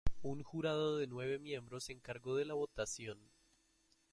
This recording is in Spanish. Un jurado de nueve miembros se encargó de la votación.